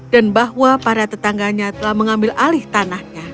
dan bahwa para tetangganya telah mengambil alih tanahnya